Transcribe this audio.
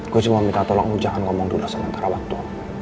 gue cuma minta tolong lo jangan ngomong dulu sementara waktu